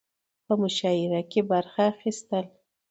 په مشاعره کې برخه اخستل